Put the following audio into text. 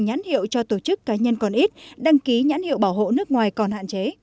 nhãn hiệu cho tổ chức cá nhân còn ít đăng ký nhãn hiệu bảo hộ nước ngoài còn hạn chế